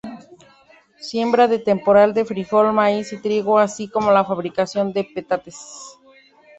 Siembra de temporal de frijol, maíz y trigo así como la fabricación de petates.